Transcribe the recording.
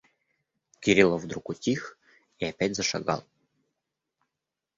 Кириллов вдруг утих и опять зашагал.